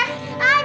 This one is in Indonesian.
ah jangan kak